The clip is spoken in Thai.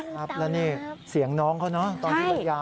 ครับแล้วนี่เสียงน้องเขาเนอะ